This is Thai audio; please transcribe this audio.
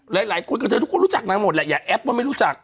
หลายหลายคนกับเธอเจ้าลูกจักนางหมดแหละอย่าแอปว่าไม่ลูกจัก